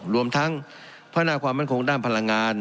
รวมทั้งพัฒนาความมั่นคงด้านพลังงาน